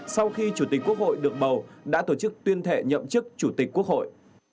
sau khi chủ tịch quốc hội được bầu đã tổ chức tuyên thệ nhậm chức chủ tịch quốc hội